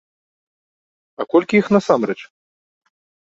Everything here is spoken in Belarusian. А колькі іх насамрэч?